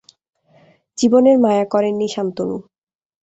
জীবনের মায়া করেননি শান্তনু।